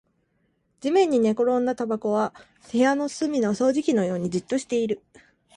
地面に寝転んだタバコは部屋の隅の掃除機のようにじっとしている